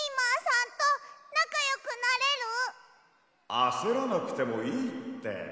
あせらなくてもいいって。